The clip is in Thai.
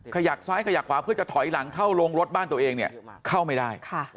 ขยักซ้ายขยักขวาเพื่อจะถอยหลังเข้าโรงรถบ้านตัวเองเนี่ยเข้าไม่ได้